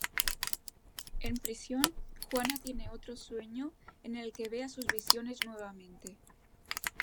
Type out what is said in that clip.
En prisión, Juana tiene otro sueño en el que ve a sus visiones nuevamente.